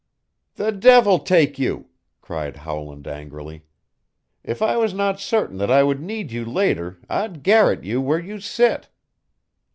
"The devil take you!" cried Howland angrily. "If I was not certain that I would need you later I'd garrote you where you sit."